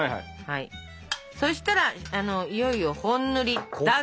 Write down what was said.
そしたらいよいよ本塗りだが！